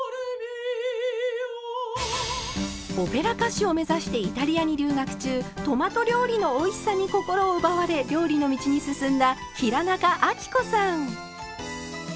オペラ歌手を目指してイタリアに留学中トマト料理のおいしさに心を奪われ料理の道に進んだ平仲亜貴子さん。